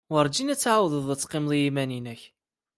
Werjin ad tɛawded ad teqqimed i yiman-nnek.